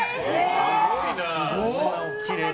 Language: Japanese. すごいな。